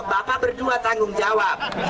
bapak berdua tanggung jawab